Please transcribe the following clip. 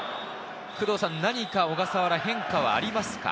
何か小笠原に変化はありますか？